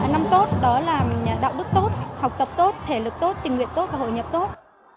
năm tốt đó là đạo đức tốt học tập tốt thể lực tốt tình nguyện tốt và hội nhập tốt